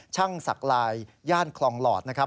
สักลายย่านคลองหลอดนะครับ